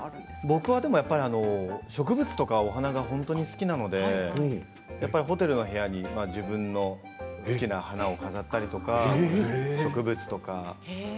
僕は植物とかお花が本当に好きなのでホテルの部屋に自分の好きな花を飾ったりとか植物とか。